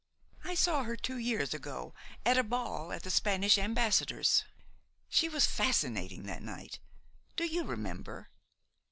I saw her two years ago, at a ball at the Spanish ambassador's. She was fascinating that night; do you remember?"